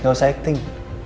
gak usah acting